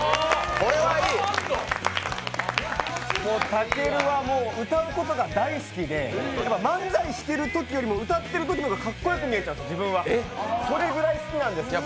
たけるは、もう歌うことが大好きで、漫才しているときよりも歌っているときの方がかっこよくみえちゃって、それぐらい好きなんです。